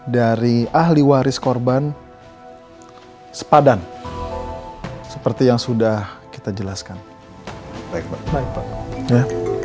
dari ahli waris korban sepadan seperti yang sudah kita jelaskan baik baik ya